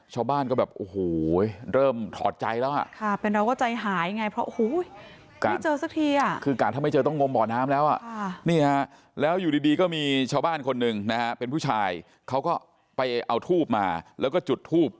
ชาวบ้านก็แบบอู๋